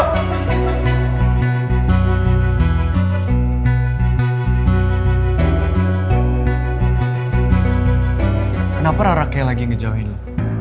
kenapa rara kayak lagi ngejauhin lo